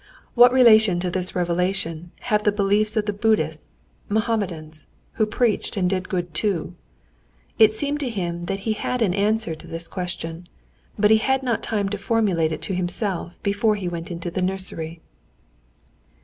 What relation to this revelation have the beliefs of the Buddhists, Mohammedans, who preached and did good too? It seemed to him that he had an answer to this question; but he had not time to formulate it to himself before he went into the nursery.